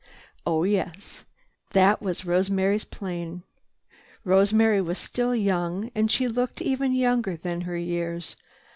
Oh yes, that was Rosemary's plane. Rosemary was still young, and she looked even younger than her years.